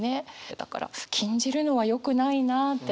だから禁じるのはよくないなって。